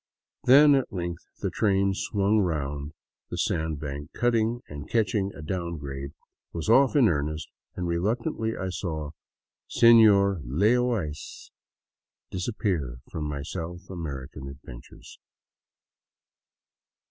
Then at length the train swung round the sandbank cutting and, catching a down grade, was off in earnest, and reluctantly I saw " Senor Lay 0 Ice '* disappear from my South American adventures.